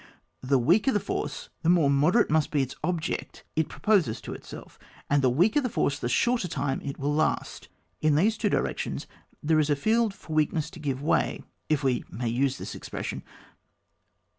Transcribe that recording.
The weaker the force the more mode rate must be the object it proposes to it self, and the weaker the force the shorter time it will last. In these two directions there is a field for weakness to give way, if we may use this expression.